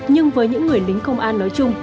nhưng với những người lính công an nói chung